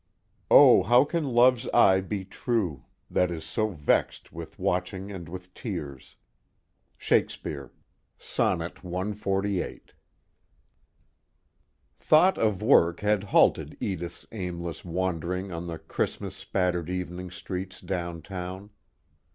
O how can Love's eye be true, That is so vex'd with watching and with tears? SHAKESPEARE, Sonnet CXLVIII I Thought of work had halted Edith's aimless wandering on the Christmas spattered evening streets downtown.